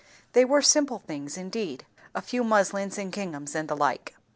They were simple things, indeed; a few muslins and ginghams and the like.